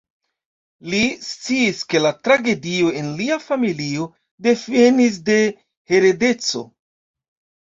Li sciis, ke la tragedio en lia familio devenis de heredeco.